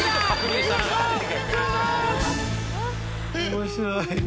面白い。